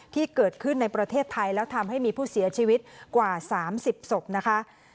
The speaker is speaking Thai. ที่เกิดขึ้นในประเทศไทยแล้วทำให้มีผู้เสียชีวิตกว่า๓๐ศพนะคะ